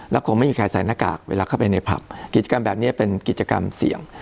แล้วคงไม่มีใครใส่หน้ากากเวลาเข้าไปในผับกิจกรรมแบบนี้เป็นกิจกรรมเสี่ยง